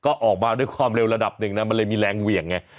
ก็ออกมาด้วยความเร็วระดับหนึ่งนะมันเลยมีแรงเหวี่ยงไง